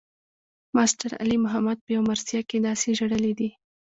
ماسټر علي محمد پۀ يو مرثيه کښې داسې ژړلے دے